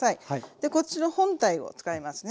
でこっちの本体を使いますね。